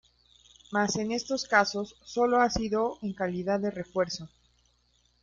Mas en estos casos sólo ha sido en calidad de refuerzo.